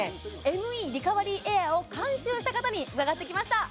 ＭＥリカバリーエアーを監修した方に伺ってきました